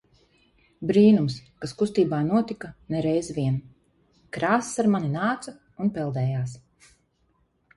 Brīnums, kas klusībā notika ne reizi vien. Krāsas ar mani nāca un peldējās.